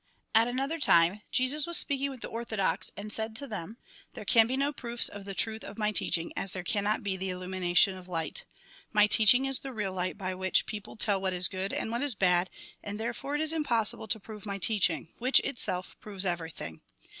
At another time, Jesus was speaking with the orthodox, and said to them :" There can be no proofs of the truth of my teaching, as there cannot be of the illumination of light. My teaching is the real light, by which people tell what is good and what is bad, and therefore it is impossible to prove my teaching ; which itself proves everything.